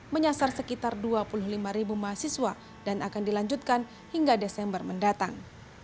menyasar sekitar dua puluh lima ribu mahasiswa dan akan dilanjutkan hingga desember mendatang